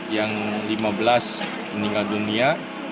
yang lima belas meninggal dunia